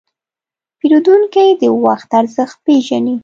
پیرودونکی د وخت ارزښت پېژني.